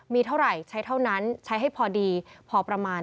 มีเท่าไหร่ใช้เท่านั้นใช้ให้พอดีพอประมาณ